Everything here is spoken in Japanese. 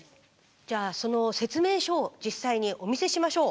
じゃあその説明書を実際にお見せしましょう。